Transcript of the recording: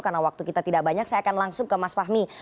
karena waktu kita tidak banyak saya akan langsung ke mas fahmi